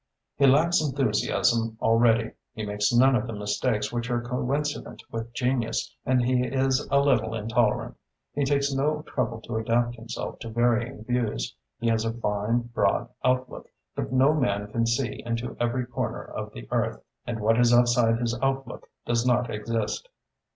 "He lacks enthusiasm already. He makes none of the mistakes which are coincident with genius and he is a little intolerant. He takes no trouble to adapt himself to varying views, he has a fine, broad outlook, but no man can see into every corner of the earth, and what is outside his outlook does not exist."